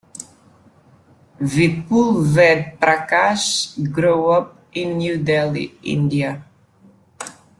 Vipul Ved Prakash grew up in New Delhi, India.